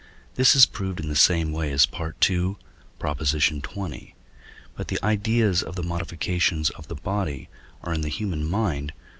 This is proved in the same way as II. xx. But the ideas of the modifications of the body are in the human mind (II.